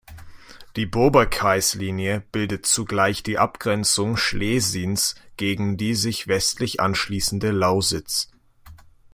Die Bober-Queis-Linie bildet zugleich die Abgrenzung Schlesiens gegen die sich westlich anschließende Lausitz.